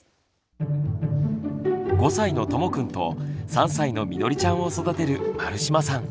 ５歳のともくんと３歳のみのりちゃんを育てる丸島さん。